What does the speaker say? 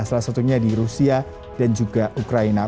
salah satunya di rusia dan juga ukraina